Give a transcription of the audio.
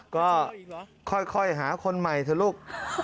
ก็ค่อยหาคนใหม่เถอะลูก